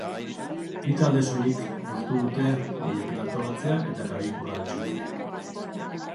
Bi talde soilik lortu dute lehiaketa antolatzea eta garaikurra altxatzea.